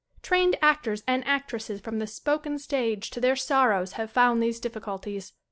Trained actors and actresses from the spoken stage to their sorrow have found these difficulties.